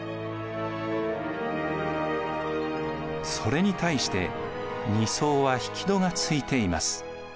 それに対して２層は引き戸がついています。